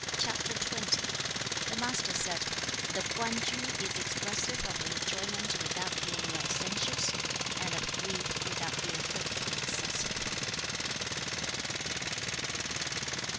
The Master said, 'The Kwan Tsu is expressive of enjoyment without being licentious, and of grief without being hurtfully excessive.'